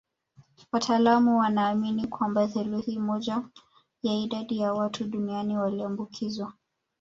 Wataalamu wanaamini kwamba theluthi moja ya idadi ya watu duniani waliambukizwa